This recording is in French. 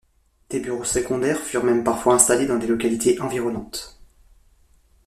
Des bureaux secondaires furent même parfois installés dans des localités environnantes.